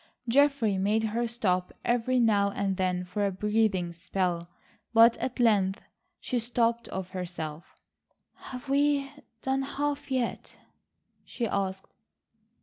Geoffrey made her stop every now and then for a breathing spell, but at length she stopped of herself. "Have we done half yet?" she asked.